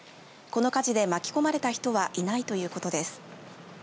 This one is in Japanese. この火事で巻き込まれた人はいないということです。